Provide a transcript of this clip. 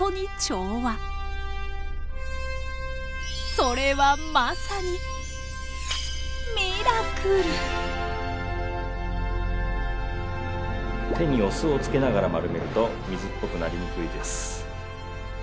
それはまさに手にお酢をつけながら丸めると水っぽくなりにくいです。